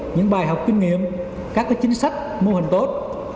những bài học kinh nghiệm các chính sách mô hình tốt